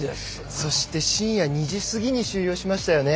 そして深夜２時過ぎに終了しましたよね。